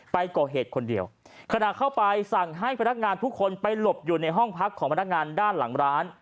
ไปก่อเหตุคนเดียวขณะเข้าไปสั่งให้พนักงานทุกคนไปหลบอยู่ในห้องพักของพนักงานด้านหลังร้าน